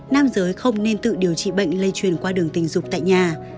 nam giới không nên tự điều trị bệnh lây truyền qua đường tình dục tại nhà